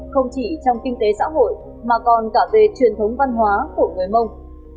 không chỉ trong kinh tế xã hội mà còn cả về truyền thống văn hóa của người mông